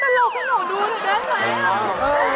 พี่เล่นตลกที่หนูดูนึงได้ไหมอ่ะ